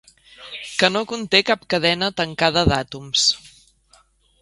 Que no conté cap cadena tancada d'àtoms.